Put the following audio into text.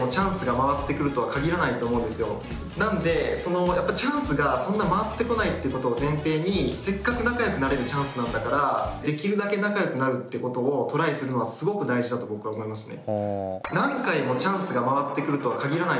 なのでやっぱチャンスがそんな回ってこないってことを前提にせっかく仲良くなれるチャンスなんだからできるだけ仲良くなるってことをトライするのはすごく大事だと僕は思いますね。